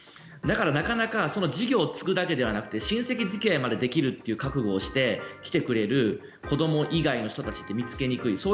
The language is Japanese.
だからなかなかその事業を継ぐだけではなくて親戚付き合いまでできるという覚悟をして来てくれる子ども以外の人たちって見つけにくい。